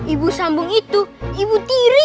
ibu sambung itu ibu tiri